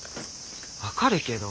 分かるけど。